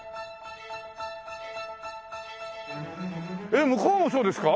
えっ向こうもそうですか？